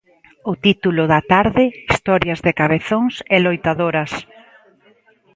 O título da tarde, Historias de cabezóns e loitadoras.